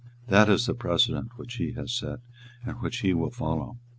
That is the precedent which he has set, and which he will follow.